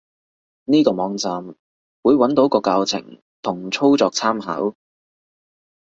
呢個網站，會揾到個教程同操作參考